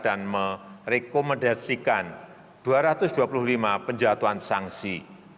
dan merekomendasikan dua ratus dua puluh lima penjatuhan sanksi